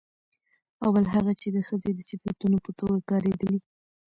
او بل هغه چې د ښځې د صفتونو په توګه کارېدلي